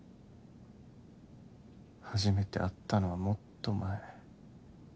初めて会ったのはもっと前。